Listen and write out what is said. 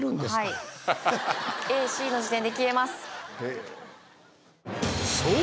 ＡＣの時点で消えますそう